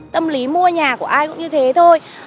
tâm lý mua nhà của ai cũng như thế thôi